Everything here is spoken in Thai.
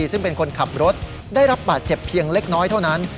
ซึ่งเป็นคนขับรถได้รับบาดเจ็บเพียงเล็กน้อยเท่านั้น